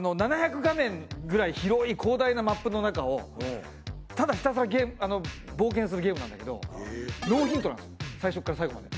７００画面ぐらい広い広大なマップの中をただひたすら冒険するゲームなんだけどノーヒントなんですよ最初から最後まで。